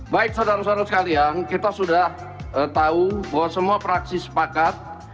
baik saudara saudara sekalian kita sudah tahu bahwa semua praksi sepakat